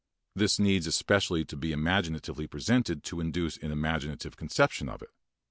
This needs especially to be imaginatively presented to induce an imaginative conception of it.